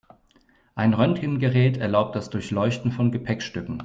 Ein Röntgengerät erlaubt das Durchleuchten von Gepäckstücken.